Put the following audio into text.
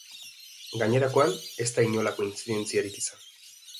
Gainerakoan, ez da inolako intzidentziarik izan.